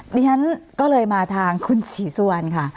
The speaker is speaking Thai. ดิฉันก็เลยมาทางคุณศรีสุวรรณค่ะ